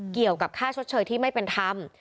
เกี่ยวกับค่าชดเชยที่ไม่เป็นธรรม